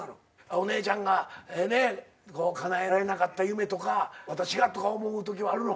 お姉ちゃんがかなえられなかった夢とか私がとか思うときはあるの？